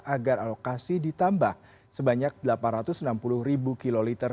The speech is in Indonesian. agar alokasi ditambah sebanyak delapan ratus enam puluh ribu kiloliter